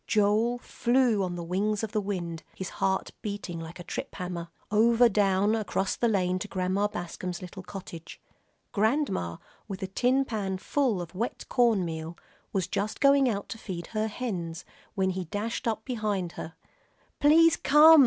Joel flew on the wings of the wind, his heart beating like a trip hammer, over down across the lane to Grandma Bascom's little cottage. Grandma, with a tin pan full of wet corn meal, was just going out to feed her hens, when he dashed up behind her. "Please come!"